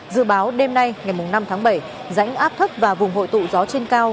dự báo đêm nay ngày năm tháng bảy rãnh áp thấp và vùng hội tụ gió trên cao